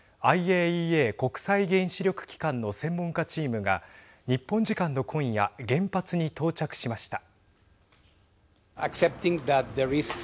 ＩＡＥＡ＝国際原子力機関の専門家チームが日本時間の今夜原発に到着しました。